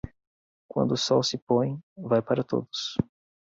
Quando o sol se põe, vai para todos.